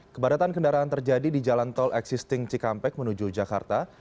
kepadatan kendaraan terjadi di jalan tol existing cikampek menuju jakarta